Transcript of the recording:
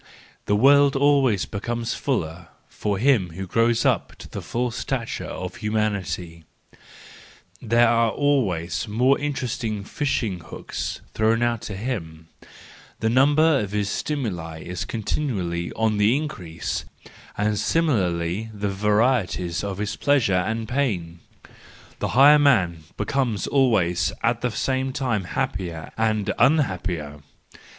The world always becomes fuller for hijn SANCTUS JANUARIUS 235 who grows up into the full stature of humanity ; there are always more interesting fishing hooks, thrown out to him ; the number of his stimuli is continually on the increase, and similarly the varieties of his pleasure and pain,—the higher man becomes always at the same time happier and unhappier.